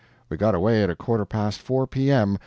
We got away at a quarter past four P.M.